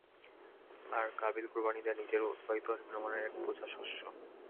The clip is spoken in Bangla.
আর কাবীল কুরবানী দেয় নিজের উৎপাদিত নিম্নমানের এক বোঝা শস্য।